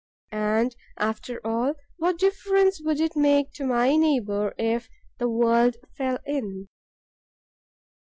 And, after all, what difference would it make to my neighbour if the world fell in!